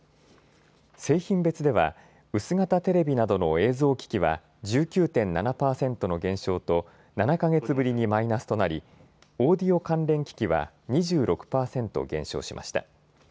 製品別では薄型テレビなどの映像機器は１９．７％の減少と７か月ぶりにマイナスとなりオーディオ関連機器は２６％減少しました。